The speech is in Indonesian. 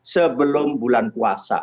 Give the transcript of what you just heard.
sebelum bulan puasa